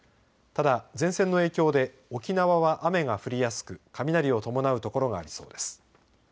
ただ、前線の影響で沖縄は雨が降りやすく雷を伴う所がありそうです。